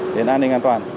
đến an ninh an toàn